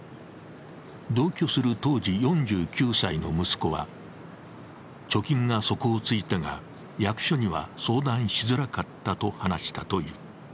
同居する当時４９歳の息子は貯金が底をついたが役所には相談しづらかったと話したという。